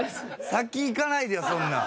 先行かないでよそんなん。